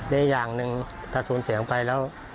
และอย่างหนึ่งถ้าสูญเสียไปแล้ว